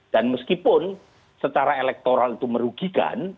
dan meskipun secara elektoral itu merugikan